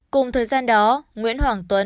cùng thời gian đó nguyễn hoàng tuấn